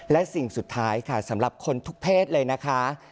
และสิ่งสุดท้ายค่ะสำหรับคนทุกเพศเลยนะคะ